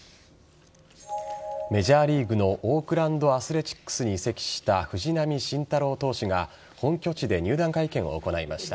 メジャーリーグのオークランド・アスレチックスに移籍した藤浪晋太郎投手が本拠地で入団会見を行いました。